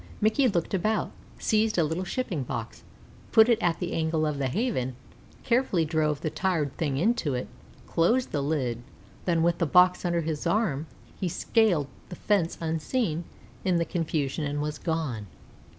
Mickey looked about, seized a little shipping box, put it at the angle of the Haven, carefully drove the tired thing into it, closed the lid, then, with the box under his arm, he scaled the fence unseen in the confusion and was gone.